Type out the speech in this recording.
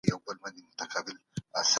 سافټویر انجنیري محصلین په ځان بسیا کوي.